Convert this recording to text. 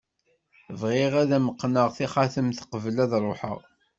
Bɣiɣ ad am-qqneɣ taxatemt qbel ad ruḥeɣ.